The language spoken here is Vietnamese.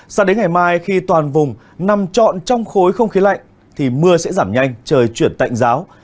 sao đến ngày mai khi toàn vùng nằm trọn trong khối không khí lạnh thì mưa sẽ giảm nhanh trời chuyển tạnh giáo